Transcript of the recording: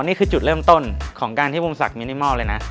นี่คือจุดเริ่มต้นของการที่วงศักดิมินิมอลเลยนะ